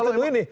kalau dulu ini